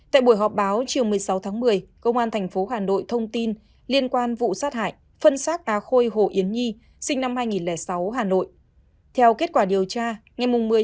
tại buổi họp báo chiều một mươi sáu tháng một mươi công an tp hà nội thông tin liên quan vụ sát hại phân xác á khôi hồ yến nhi sinh năm hai nghìn sáu hà nội